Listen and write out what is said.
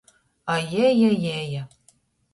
A jeja, jeja!